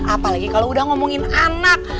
apalagi kalau udah ngomongin anak